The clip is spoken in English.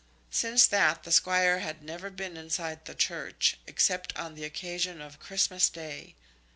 Since that the Squire had never been inside the church, except on the occasion of Christmas day.